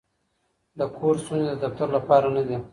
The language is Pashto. د کور ستونزې د دفتر لپاره نه دي.